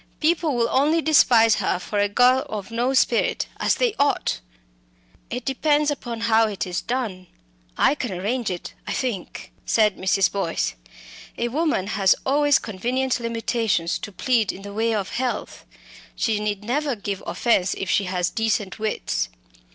People will only despise her for a girl of no spirit as they ought." "It depends upon how it is done. I can arrange it, I think," said Mrs. Boyce. "A woman has always convenient limitations to plead in the way of health. She need never give offence if she has decent wits.